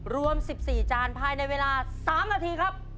รวม๑๔จานภายในเวลา๓นาทีครับ